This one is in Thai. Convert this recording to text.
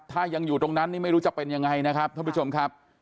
ถ้ายังอยู่ตรงนั้นนี่ไม่รู้จะเป็นยังไงนะครับท่านผู้ชมครับ